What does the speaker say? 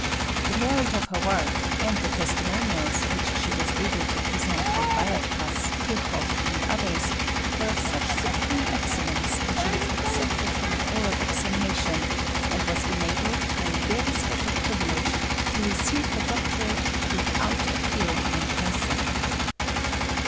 The merit of her work and the testimonials which she was able to present from Weierstrass, Kirchhoff and others were of such supreme excellence that she was exempted from an oral examination and was enabled, by a very special privilege, to receive her doctorate without appearing in person.